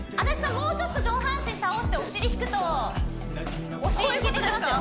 もうちょっと上半身倒してお尻引くとお尻にきいてきますよ